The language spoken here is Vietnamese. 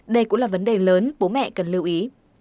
đây cũng là vấn đề lớn bố mẹ cần lưu ý